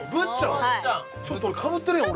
ちょっと俺かぶってるやん